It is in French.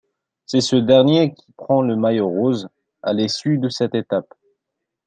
C'est ce dernier qui prend le maillot rose à l'issue de cette étape.